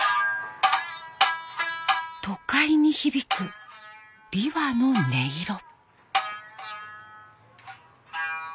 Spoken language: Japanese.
都会に響く琵琶の音色。